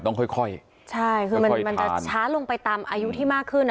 ต้องค่อยค่อยใช่คือมันมันจะช้าลงไปตามอายุที่มากขึ้นอ่ะ